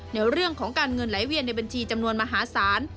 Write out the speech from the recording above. ในเรื่องของการเงินไหลเวียนในบัญชีจำนวนมหาศาล